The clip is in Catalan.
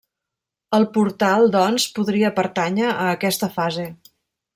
El portal doncs, podria pertànyer a aquesta fase.